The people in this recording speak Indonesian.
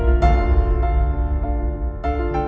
apa sekarang sih